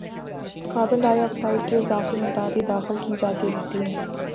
carbon dioxide کی اضافی مقدار بھی داخل کی جاتی رہتی ہے